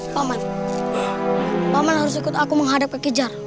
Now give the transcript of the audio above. paman paman harus ikut aku menghadap kejar